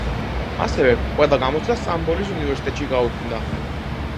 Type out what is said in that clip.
ასევე, ყველა გამოცდა სტამბოლის უნივერსიტეტში გაუქმდა.